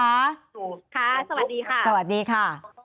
นะคะสวัสดีค่ะ